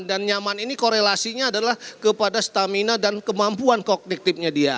dan nyaman ini korelasinya adalah kepada stamina dan kemampuan kognitifnya dia